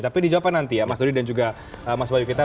tapi dijawabkan nanti ya mas dodi dan juga mas bayu kita